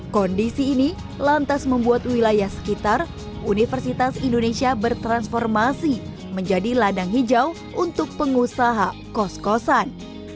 kondisi ini lantas membuat wilayah sekitar universitas indonesia bertransformasi menjadi ladang hijau untuk pengusaha kos kosan